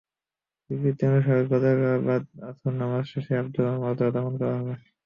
বিবৃতি অনুসারে গতকাল বাদ আসর জানাজা শেষে আবদুল্লাহর মরদেহ দাফন করা হয়।